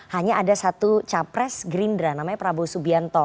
hanya ada satu capres gerindra namanya prabowo subianto